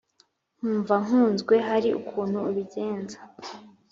nkumva nkunzwe hari ukuntu ubigenza